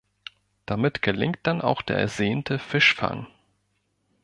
Damit gelingt dann auch der ersehnte Fischfang.